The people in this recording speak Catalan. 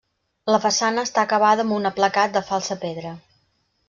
La façana està acabada amb un aplacat de falsa pedra.